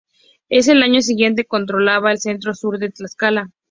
En el año siguiente, controlaba el centro sur de Tlaxcala.